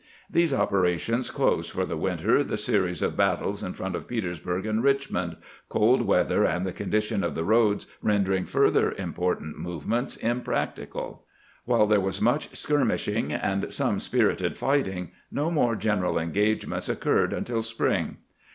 These operations closed for the winter the series of bat tles in front of Petersburg and Richmond, cold weather and the condition of the roads rendering further impor tant movements impracticable. While there was much skirmishing and some spirited fighting, no more general engagements occurred until spring.